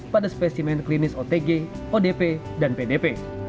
pada spesimen klinis otg odp dan pdp